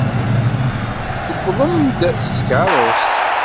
Tewwḍem-d s tkeṛṛust.